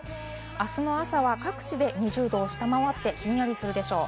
あすの朝は各地で２０度を下回ってひんやりするでしょう。